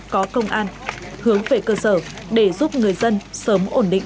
có công an hướng về cơ sở để giúp người dân sớm ổn định